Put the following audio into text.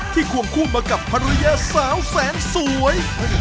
ควงคู่มากับภรรยาสาวแสนสวย